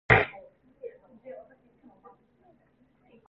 雪糕糯米糍